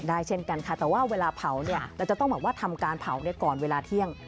เช่นกันค่ะแต่ว่าเวลาเผาเนี่ยเราจะต้องแบบว่าทำการเผาก่อนเวลาเที่ยง